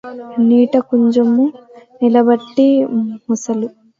నీట కుంజరమును నిలబెట్టు మొసలిని